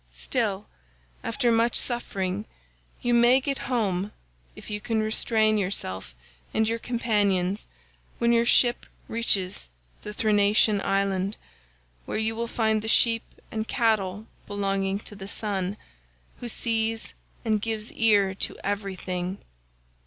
Still, after much suffering you may get home if you can restrain yourself and your companions when your ship reaches the Thrinacian island, where you will find the sheep and cattle belonging to the sun, who sees and gives ear to everything.